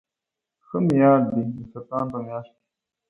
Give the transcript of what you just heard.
ښه مې یاد دي د سرطان په میاشت کې.